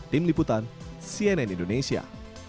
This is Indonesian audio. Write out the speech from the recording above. tim liputan cnn indonesia